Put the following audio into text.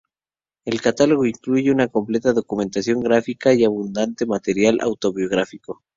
El catálogo incluye una completa documentación gráfica y abundante material autobiográfico.